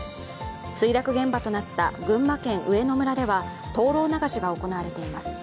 墜落現場となった群馬県上野村では灯籠流しが行われています。